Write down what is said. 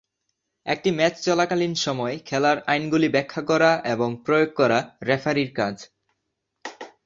একটি ম্যাচ চলাকালীন সময়ে খেলার আইনগুলি ব্যাখ্যা করা এবং প্রয়োগ করা রেফারির কাজ।